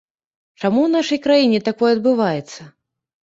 Чаму ў нашай краіне такое адбываецца?